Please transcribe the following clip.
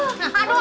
pak kakak mau